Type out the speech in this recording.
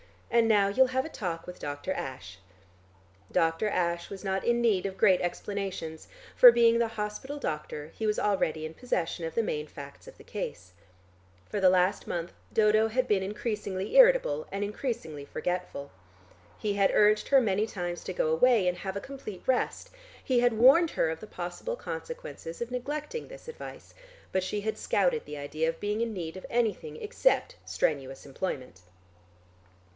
"And now you'll have a talk with Dr. Ashe." Dr. Ashe was not in need of great explanations, for being the hospital doctor, he was already in possession of the main facts of the case. For the last month Dodo had been increasingly irritable, and increasingly forgetful. He had urged her many times to go away and have a complete rest; he had warned her of the possible consequences of neglecting this advice, but she had scouted the idea of being in need of anything except strenuous employment.